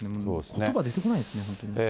ことば出てこないですね、本当に。